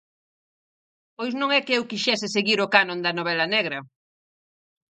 Pois non é que eu quixese seguir o canon da novela negra.